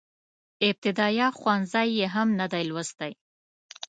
ابتدائيه ښوونځی يې هم نه دی لوستی.